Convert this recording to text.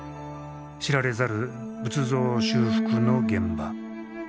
知られざる仏像修復の現場